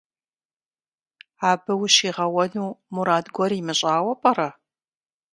Абы ущигъэуэну мурад гуэр имыщӀауэ пӀэрэ?